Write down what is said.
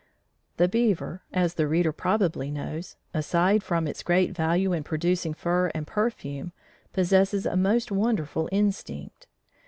The beaver, as the reader probably knows, aside from its great value in producing fur and perfume, possesses a most wonderful instinct.